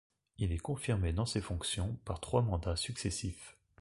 Il est confirmé dans ses fonctions par trois mandats successifs.